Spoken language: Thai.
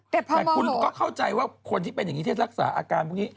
แต่คุณก็เข้าใจว่าคนที่เป็นอย่างนี้ที่รักษาอาการพวกนี้